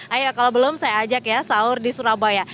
ayo kalau belum saya ajak ya sahur di surabaya